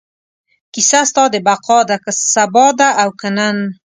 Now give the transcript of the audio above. کیسه ستا د بقا ده، که سبا ده او که نن